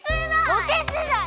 「おてつだい」！